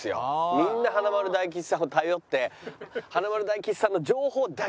みんな華丸・大吉さんを頼って華丸・大吉さんの情報だけで動くっていう。